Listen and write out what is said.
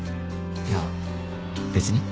いや別に。